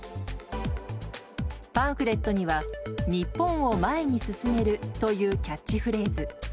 パンフレットには「日本を前に進める。」というキャッチフレーズ。